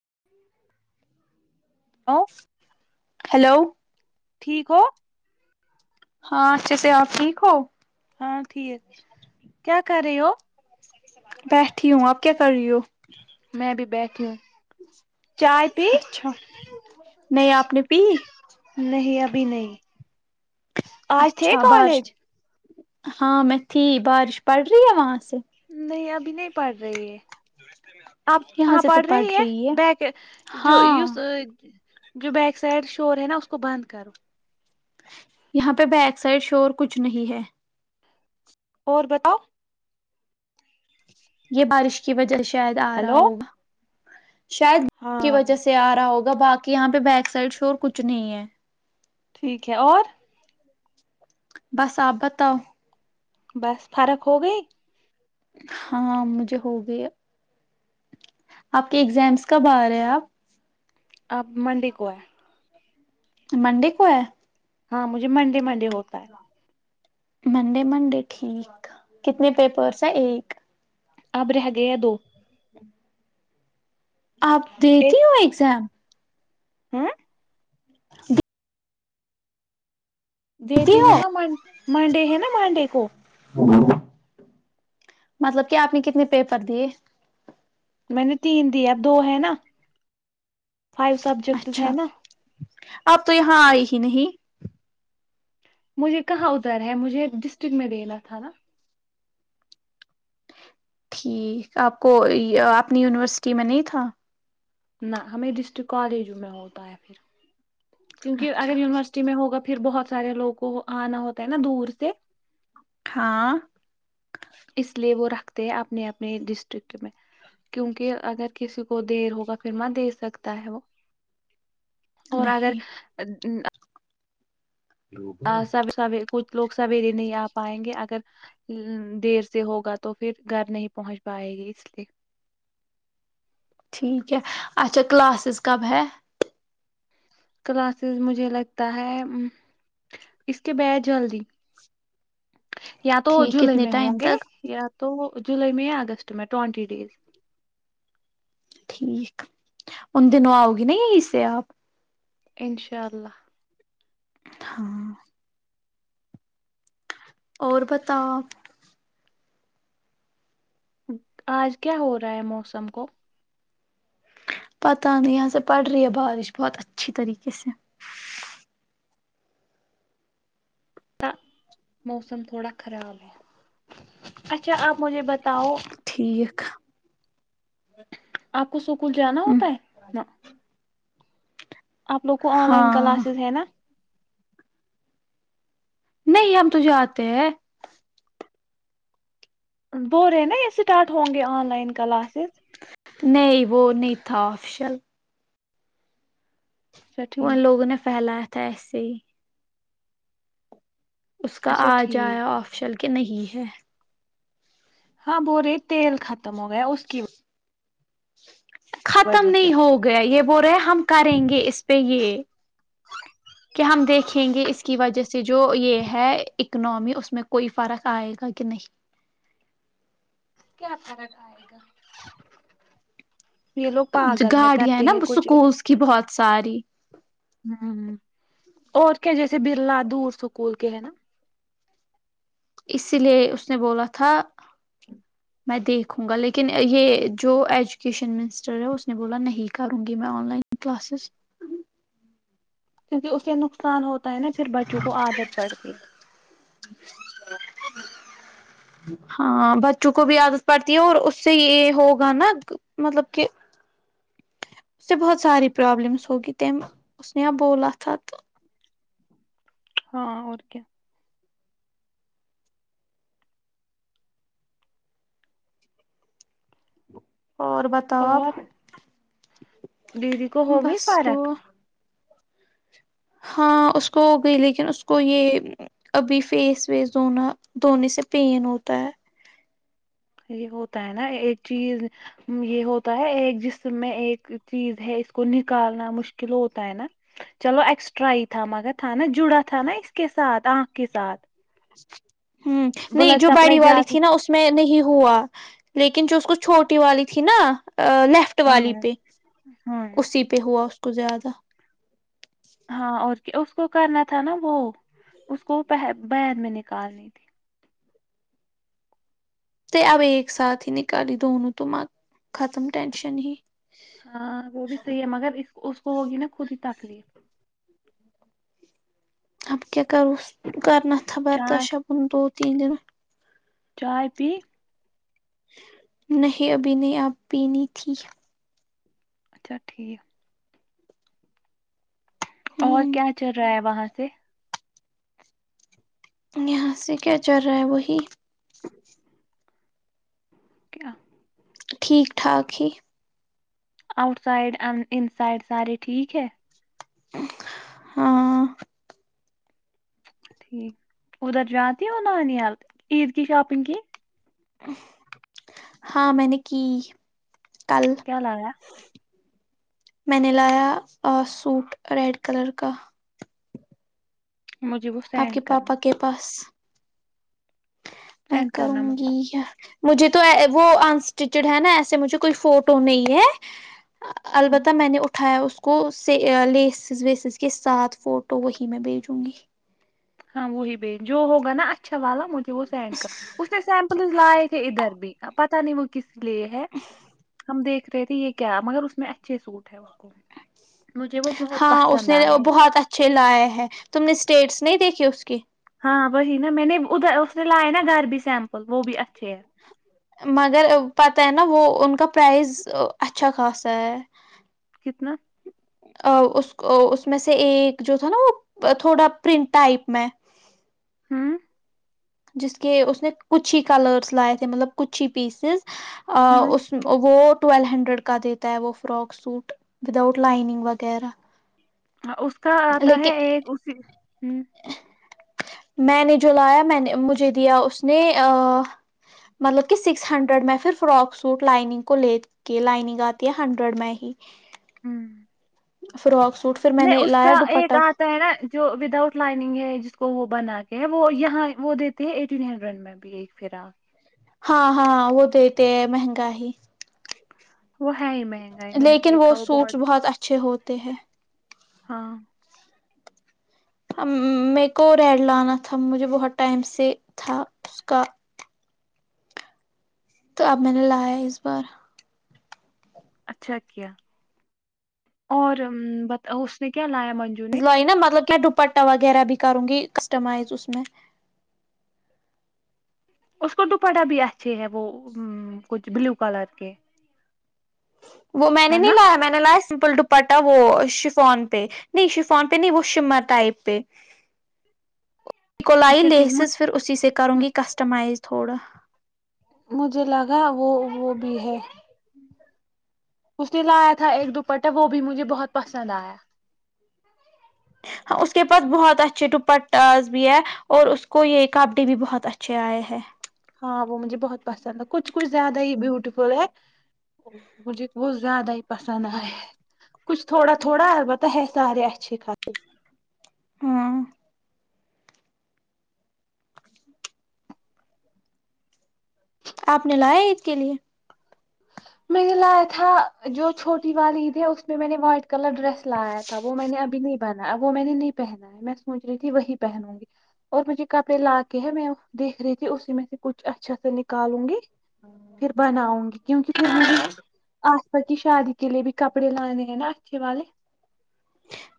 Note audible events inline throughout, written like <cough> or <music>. <inaudible> <inaudible> Hello ٹھیک ہو <inaudible> ہاں اچھے سے آپ ٹھیک ہو ہاں ٹھیک کیا کر رہے ہو بیٹھی ہوں اب کیا کر رہی ہو میں بھی بیٹھی ہوں چائے پی اچھا نہیں آپ نے پی بھی نہیں آج تھے اچھا بارش کالج ہاں میں تھی بارش پڑ رہی ہے وہاں سے نہیں ابھی نہیں پڑھ رہی ہے آپ یہاں کہاں سے تو پڑھ پڑ رہی ہے بیک جو ہاں جو بیک سائڈ شور ہے نا اس کو بند کرو یہاں پہ بیک سائڈ شور کچھ نہیں ہے اور بتاؤ یہ بارش کی وجہ سے شاید آ رہا ہلو ہوگا شاید کی ہاں وجہ سے آ رہا ہوگا باقی یہاں پہ بیک سائڈ اور کچھ نہیں ہے ٹھیک ہے اور بس آپ بتاؤ بس فرق ہو گئی ہاں مجھے ہو گئی آپ کے اگزامس کب آ رہے ہیں آپ آپ منڈی کو ہے منڈے کو ہے ہاں مجھے منڈے منڈے ہوتا ہے منڈے منڈے ٹھیک کتنے پیپرس ہیں ایک اب رہ گیا دو ہی <inaudible> آپ ایک دیتی ہو ایگزام ہاں <inaudible> دیتی ہوں نا منڈے ہے نا مانڈے کو ہاں <inaudible> مطلب کہ آپ نے کتنے پیپر دیے میں نے تین دی اب دو ہے نا فائیو سبجیکٹ ہیں اچھا نا اپ تو یہاں آئے ہی نہیں مجھے کہاں ادھر ہے مجھے ڈسٹرکٹ میں دینا تھا نا ٹھیک آپ کو اپنی یونیورسٹی میں نہیں تھا نہ ہمیں ڈسٹرک کالجوں میں ہوتا ہے پھر کیونکہ اچھا اگر یونیورسٹی میں ہوگا تو پھر بہت سارے لوگوں آنا ہوتا ہے نا دور سے ہاں اس لیئے وہ رکھتے ہیں اپنے اپنے ڈسٹرکٹ میں کیونکہ اگر کسی کو دیر ہوگا پھر م دے سکتا ہے وہ اور اگر نہیں ہ سب سب کچھ لوگ سویرے نہیں آ پائیں گے اگر دیر سے ہوگا تو پھر گھر نہیں پہنچ پائے گی اس لیے ٹھیک ہے اچھا کلاسز کب ہے کلاسز مجھے لگتا ہے اس کے بد جلدی یا تو ٹھیک جولائی کتنے میں ٹائم ہوں گے تک یا تو جولائی میں اگست میں ٹوینٹی ڈیز یک ان دنوں آؤ گی نا یہیں سے آپ اشا اللہ ہاں اور پتا آج کیا ہو رہا ہے موسم کو پتا نہیں یہاں سے پڑ رہی ہے بارش بہت اچھی طریقے سے موسم تھوڑا خراب ہے اچھا آپ مجھے بتاؤ ٹھیک آپ کو سوکھ اسکول جانا ہوتا ہے نا آپ لوگ کو آن لائن ہاں کلاسز ہے نا نہیں ہم تو جاتے ہیں ب رہے ہیں نا یہ اسٹارٹ ہوں گے آن لائن کلاسز نہیں وہ نہیں تھا افشل اچھا ان ٹھیک لوگوں نے پھیلایا تیسی اس کا اچھا آ ٹھیک جایا آپشل کہ نہیں ہے ہاں بو رہی تیل کات ختم ہو گیا اس کی <inaudible> ختم وجہ سے نہیں ہو گیا یہ ب رہے ہم کریں گے اس پہ یہ کہ ہم دیکھیں گے اس کی وجہ سے جو یہ ہے اکنمی اس میں کوئی فرق آئے گا کہ نہیں کیا پ آئے گا یہ لوگ جو پاگل ہے گاڑیاں ہیں کرتے نا کچھ سکولس کی بہت ساری ہ اور کیا جیسے برلا دور سکول کے ہیں نا اسی لیے اس نے بولا تھا میں دیکھوں گا لیکن یہ جو ایجوکیشن منسٹر ہے اس نے بولا نہیں کروں گی میں آن لائن کلاسز کیونکہ اسے نقصان ہوتا تا ہے نا پھر بچوں کو عادت پڑتی ہے <unintelligible> ہاں بچوں کو بھی عادت پڑتی ہے اور اس سے یہ ہوگا نا مطلب کہ اس سے بہت ساری پرابلمس ہوگی تم اس نےیا بولت <unintelligible> تھا تو <unintelligible> ہاں اور کیا <unintelligible> اور بتاؤ آپ اور <unintelligible> دیدی کو ہو گئی بس تو فارق ہاں اس کو ہو گئی لیکن اس کو یہ ابھی فیس ویس دھونا دھونے سے پین ہوتا ہے یہ ہوتا ہے نا ایک چیز یہ ہوتا ہے ایک جسم میں ایک چیز ہے اس کو نکالنا مشکل ہوتا ہے نا چلو ایکسٹرا ہی تھا مگر تھا نا جڑا تھا نا اس کے ساتھ آنکھ کے ساتھ اچ <unintelligible> ہ نہیں بلڈ جو باڑی سپلائی والی جاتی تھی نا اس میں نہیں ہوا لیکن جو اس کو چھوٹی والی تھی نا <unintelligible> لیفٹ ہاں والی پہ ہاں اسی پہ ہوا <unintelligible> کو زیادہ <unintelligible> ہاں اور اس کو کرنا تھا نا وہ اس کو بیر میں نکالنی تھی ت اب ایک ساتھ ہی نکالی دونوں تو م ختم ٹشن ہی ہاں وہ بھی صحیح ہے مگر اس <unintelligible> اس کو ہوگی نا خود ہی تکلیف اب <unintelligible> ک کیا کرو کرن تھاا چائے برداشپن دوت <unintelligible> ت ج نا <unintelligible> چائے پی <unintelligible> نہیں ابھی نے آپ پینی تھی اچھا ٹھیک ہے <unintelligible> ہ اور کیا چل رہا ہے وہاں سے سے <unintelligible> یہاں سے کیا چل رہا ہے وہی کیا <unintelligible> ٹھیک ٹھاک ہی آؤٹ سائڈ ا ان سائڈ سارے ٹھیک ہے ہاں ٹھیک ادھر جا ت ہو نانیال عید کی شاپنگ کی ہاں میں نے کی <unintelligible> کیاالگا میں نے لایا سوٹ ریڈ کلر کا مجھے وہ آپ سینڈ کے پاپا کرنا کے پاس <unintelligible> میں سینڈ کرنا کروں مجھے گی مجھے تو وہ انسٹیچڈ ہے نا ایسے مجھے کوئی فوٹو نہیں ہے <unintelligible> ہوں البتہ میں نے اٹھایا اس <unintelligible> اس کو لیسز ویسز کے ساتھ فوٹو وہی میں بھیجوں گی <unintelligible> ہاں وہی ب جو ہوگا نا اچھا والا مجھ <unintelligible> وہ سینڈ کا اس نے سیمپلز لائے تھے ادھر بھی <unintelligible> پتاہ نہیں وہکس <unintelligible> لیے ہے ہم دیکھ <unintelligible> د رہے تے یہ کیا مگر اس میں اچھے سوٹ ہے اس <unintelligible> مجھے وہ بہت ہاں اس پسند نے آئے بہت اچھے لائے ہے تم نے اسٹیٹس نہیں دیکھی اس کی ہاں وہی نا میں نے ادھر اس نے لایا نا گھر بھی سیمپل وہ بھی اچھے ہیں <unintelligible> مگر پتہ ہے نا وہ ان کا پرائز اچھا خاصا ہے کتنا <unintelligible> اس اس میں سے ایک جو تھا نا وہ تھوڑا پرنٹ ٹائپ میں ہاں <unintelligible> جس کے اس نے کچھ ہی کلرس لائے تھے مطلب کچھ ہی پیسز ا ہوں اس وہ ٹویل ہنڈریڈ کا دیتا ہے وہ فراک سوٹ وداؤٹ لائننگ وغیرہ اس کا آتا ہے لیکن ایک اسی <unintelligible> ہوں <unintelligible> میں نے جو لایا میں نے مجھے دیا اس نے مطلب کہ سکس ہنڈریڈ میں پھر فراک سوٹ لائننگ کو لے کے لائننگ آتی ہے ہنڈریڈ میں ہی ہ فراک سوٹ پھر میں نہیں نے اس کا لایا دوپٹہ ایک آتا ہے نا جو وداؤٹ لائن <unintelligible> جس کو وہ بنا کے وہ یہاں وہ دیتے ہیں ایٹین ہینڈرین میں بھی ایک فراق <unintelligible> ہاں ہاں وہ دیتے مہنگا ہی وہ ہے ہی میں <unintelligible> لیکن وہ سوٹس بہت اچھے ہوتے ہیں ہاں <unintelligible> م کو ریڈ لانا تھا مجھے بہت ٹائم سے تھا اس کا تو اب میں نے لایا اس بار <unintelligible> اچھا کیا اور اس نے کیا لایا <unintelligible> اس ل ن مطلب کیا ڈپ <unintelligible> پٹا وغیرہ بھی کروں گی کسٹمائز اس میں <unintelligible> اس کو دوپٹہ بھی اچھے ہے وہ کچھ بلیو کلر کے <unintelligible> وہ میں نے ہے نہیں نا لایا میں نے لایا سمپل پٹا وہ شفون پہ نہیں شفون پہ نہیں وہ شما ٹائپ پہ <unintelligible> سک لائی اچھا لیسز ٹھیک پھر اسی سے کروں گی کسٹمائز <unintelligible> تھوڑا <unintelligible> مجھے لگا وہ وہ بھی ہے اس نے لایا تھا ایک دوپٹہ وہ بھی مجھے بہت پسند آیا <unintelligible> اس کے پاس بہت اچھے ڈپٹ بھی ہے اور اس کو یہ کپڈی بھی بہت اچھے آئے ہے ہاں وہ مجھے بہت پسند ہے کچھ کچھ زیادہ ہی بیوٹیفل ہے مجھے وہ زیادہ ہی پسند آیا کچھ تھوڑا تھوڑا البتہ ہے سارے اچھے خاصر ہاں آپ نے لایا عید کے لیے میں نے لایا تھا جو چھوٹی وال عید ہے اس میں میں نے واٹ کلر ڈریس لایا تھا وہ میں نے ابھی نہیں بنا ہے وہ میں نے نہیں پہنا ہے میں سوچ رہی تھی وہی پہنوں گی اور مجھے کپڑے لا کے ہے میں دیکھ رہی تھی اسی میں سے کچھ اچھا سا نکالوں گی پھر بناؤں گی پھر مجھے آاسپا کی شادی کے لیے بھی کپڑے لانے ہیں نا اچھے والے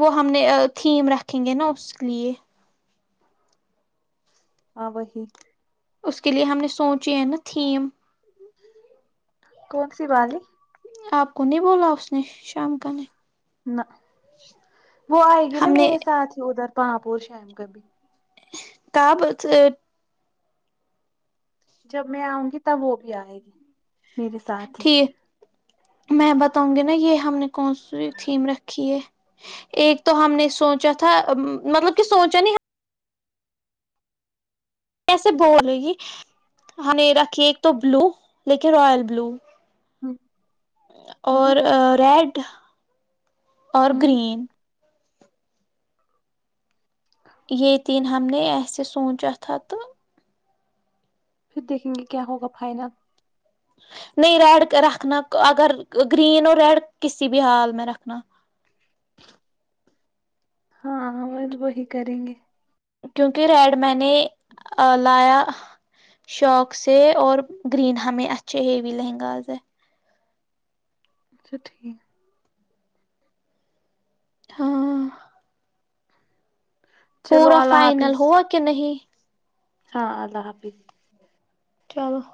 وہ ہم نے تھیم رکھا رکھیں گے نا اس لیے آاں وہ ہیی اس کے لیے ہم نے سوچی ہے نا تھیم کون سی والی آپ کو نہیں بولا اس نے شام کا نہیں نہ وہ آئے گی نا ہم نے میرے ساتھ ہی ادھر باں پ شم کربھی کہ بس جب میں آؤں گی تب وہ بھی آئے گی میرے ساتھ ہی ٹھیک میں بت بوں گے نا یہ ہم نے کون سی تھیم رکھی ہے ایک تو ہم نے سوچا تھا مطلب کہ سوچا نہیں کیسے بولے گی ہم نے رکھی ایک تو بلو لیکن رائل بلو ہ ہ اور ریڈ کتاہ اور ہ گرین ی تین ہم نے ایسے سوچا تھا تو پھر دیکھیں گے کیا ہوگا فائنل؟ نہیں ریڈ رکھنا اگر گرین اور ریڈ کسی بھی حال میں رکھنا ہاں وہ وہی کریں گے کیونکہ ریڈ میں نے لایا شوق سے اور گرین ہمیں اچھے ہیوی لہنگااز ہے اچھا ٹھیک ہاں چلو پورا اللہ فائنل حافظ ہوا کہ نہیں ہاں اللہ حافظ چلو <inaudible>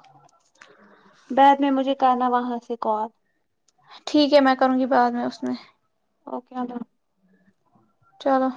کر نا وہاں سے کال ٹھیک ہے میں کروں گی بعد میں اس میں اوکے چلو